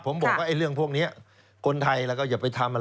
ผมบอกว่าเรื่องพวกนี้คนไทยเราก็อย่าไปทำอะไร